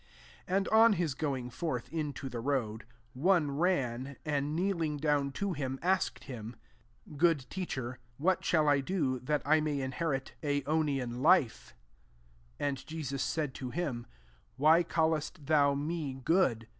17 And on his going forth, into the road, one ran, axid knee ing down to him, asked hb), << Good I'eacher, what shall I do, that I may inherit aiooiaa MARK X. 91 life ?'' 10 And Jesas add to him, " Wfef cailest thou me good